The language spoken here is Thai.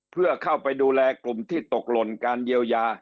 เพื่อเข้าไปดูแลกลุ่มที่ตกหล่นการเยียวยา